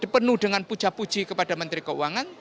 penuh dengan puja puji kepada menteri keuangan